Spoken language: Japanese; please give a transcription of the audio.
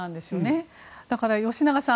だから、吉永さん